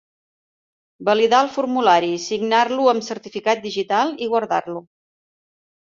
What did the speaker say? Validar el formulari, signar-lo amb certificat digital i guardar-lo.